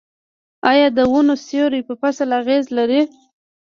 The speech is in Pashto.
آیا د ونو سیوری په فصل اغیز لري؟